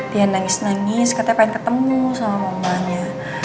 dia nangis nangis katanya pengen ketemu sama mamanya